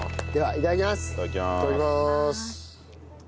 いただきます。